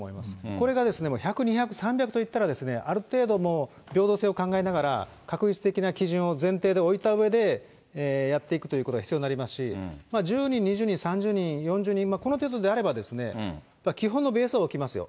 これがですね、１００、２００、３００といったら、ある程度、平等性を考えながら、画一的な基準を前提で置いたうえで、やっていくということが必要になりますし、１０人、２０人、３０人、４０人、この程度であれば、やっぱり基本のベースは置きますよ、